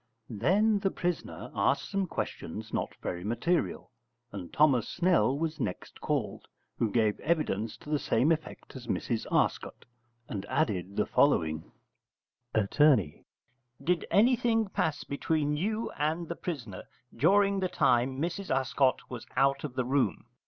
Then the prisoner asked some questions not very material, and Thomas Snell was next called, who gave evidence to the same effect as Mrs Arscott, and added the following: Att. Did anything pass between you and the prisoner during the time Mrs Arscott was out of the room?